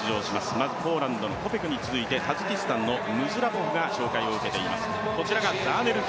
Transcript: まずポーランドのコペクに続いて、タジキスタンの選手が紹介されています。